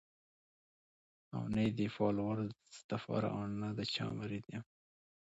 او نۀ ئې د فالوورز د پاره او نۀ د چا مريد يم